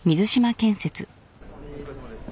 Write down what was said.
・お疲れさまです。